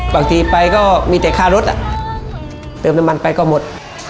บางทีไปก็มีแต่ค่ารถเติมน้ำมันไปก็หมด